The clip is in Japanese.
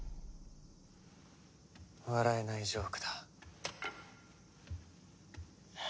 笑えないジョークだ。